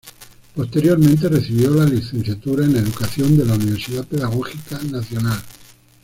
Posteriormente recibió la Licenciatura en Educación en la Universidad Pedagógica Nacional.